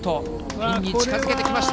ピンに近づけてきました。